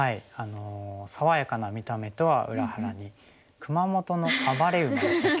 爽やかな見た目とは裏腹に「熊本の暴れ馬」でしたっけ。